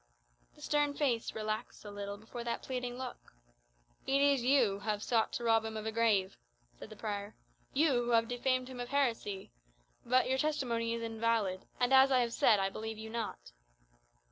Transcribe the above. The stern set face relaxed a little before that pleading look. "It is you who have sought to rob him of a grave," said the prior "you who have defamed him of heresy. But your testimony is invalid; and, as I have said, I believe you not."